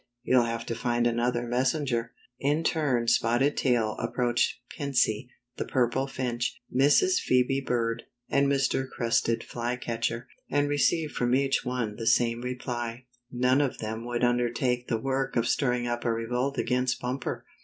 "You'll have to find another messenger." In turn Spotted Tail approached Piney the Purple Finch, Mrs. Phoebe Bird and Mr. Crested Flycatcher, and received from each one the same reply. None of them would imdertake the work of stirring up a revolt against Bumper.